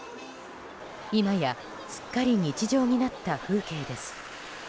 今やすっかり日常になった風景です。